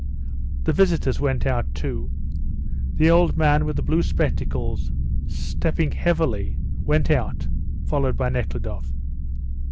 The visitors went out too. The old man with the blue spectacles, stepping heavily, went out, followed by Nekhludoff.